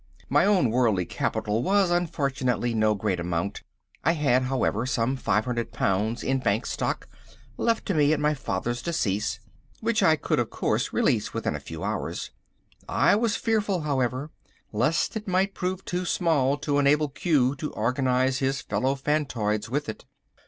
My own worldly capital was, unfortunately, no great amount. I had, however, some £500 in bank stock left to me at my father's decease, which I could, of course, realise within a few hours. I was fearful, however, lest it might prove too small to enable Q to organise his fellow phantoids with it.